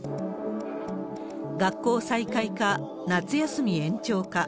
学校再開か夏休み延長か。